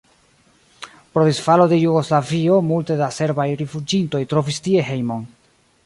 Pro disfalo de Jugoslavio multe da serbaj rifuĝintoj trovis tie hejmon.